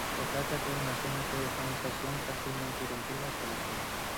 Se trata de una zona de urbanización casi ininterrumpida que las une.